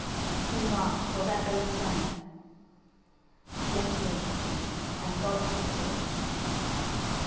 King Mark, will that oath stand?" "Yes, Queen," he said, "and God see to it.